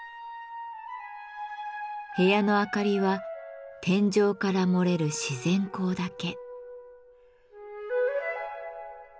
部屋の明かりは天井から漏れる自然光だけ。